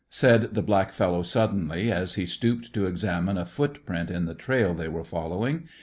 said the black fellow suddenly, as he stooped to examine a footprint in the trail they were following.